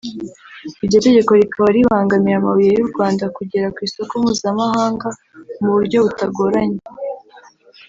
Iryo tegeko rikaba ribangamira amabuye y’u Rwanda kugera ku isoko mpuzamahanga mu buryo butagoranye